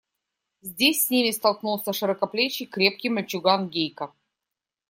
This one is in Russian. Здесь с ними столкнулся широкоплечий, крепкий мальчуган Гейка.